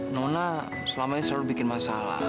nona selamanya selalu bikin masalah